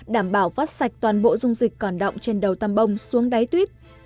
đảm bảo vắt sạch toàn bộ dung dịch còn động trên đầu tăm bông xuống đáy tuyếp